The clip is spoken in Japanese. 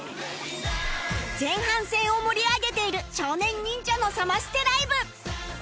前半戦を盛り上げている少年忍者のサマステライブ